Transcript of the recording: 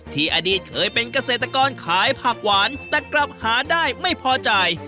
อดีตเคยเป็นเกษตรกรขายผักหวานแต่กลับหาได้ไม่พอจ่าย